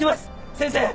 先生！